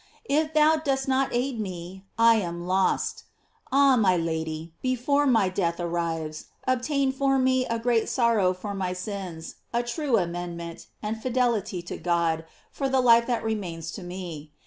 If thou dost not aid me, I am lost. Ah, my Lady, be fore my death arrives, obtain for me a great sor row for my sins, a true amendment, and fidelity to God for the life that remains to me.